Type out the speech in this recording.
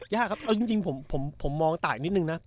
ยากครับเอาจริงผมมองตายนิดนึงนะ